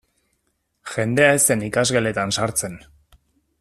Jendea ez zen ikasgeletan sartzen.